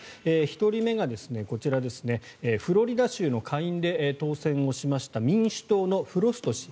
１人目がこちらフロリダ州の下院で当選しました民主党のフロスト氏。